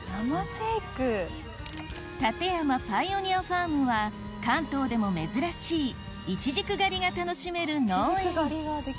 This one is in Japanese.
館山パイオニアファームは関東でも珍しいいちじく狩りが楽しめる農園